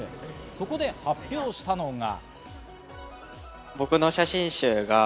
そこで発表したのが。